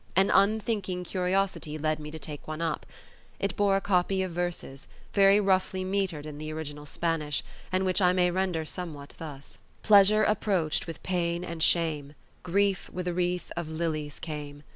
An unthinking curiosity led me to take one up. It bore a copy of verses, very roughly metred in the original Spanish, and which I may render somewhat thus— Pleasure approached with pain and shame, Grief with a wreath of lilies came.